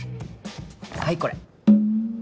はいこれ。